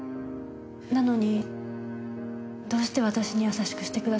なのにどうして私に優しくしてくださるんですか？